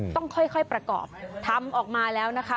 ต้องค่อยประกอบทำออกมาแล้วนะคะ